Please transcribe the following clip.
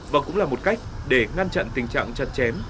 và cũng là một cách để ngăn chặn tình trạng chặt chém